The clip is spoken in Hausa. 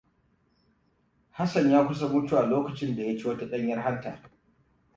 Hassan ya kusan mutuwa lokacin da ya ci wata ɗanyar hanta.